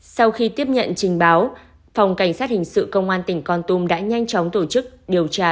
sau khi tiếp nhận trình báo phòng cảnh sát hình sự công an tỉnh con tum đã nhanh chóng tổ chức điều tra